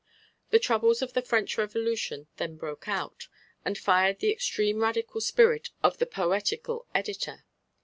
The troubles of the French Revolution then broke out, and fired the extreme Radical spirit of the poetical editor.